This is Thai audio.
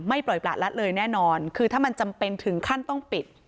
ปล่อยประละเลยแน่นอนคือถ้ามันจำเป็นถึงขั้นต้องปิด